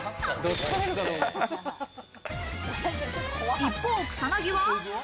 一方、草薙は。